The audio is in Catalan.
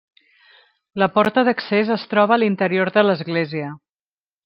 La porta d'accés es troba a l'interior de l'església.